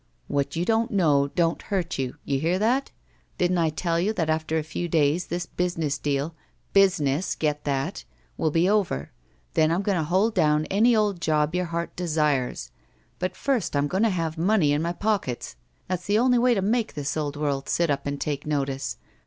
"What you don't know don't hurt you. You hear that? Didn't I tell you that after a few days this business deal — business , get that ?— ^will be over. Then I'm going to hold down any old job your heart desires. But first I'm going to have money in my pockets! That's the only way to make this old world sit up and take notice.